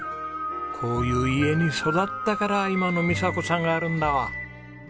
こういう家に育ったから今の美佐子さんがあるんだわ。